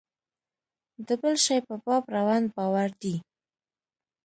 د بل شي په باب ړوند باور دی.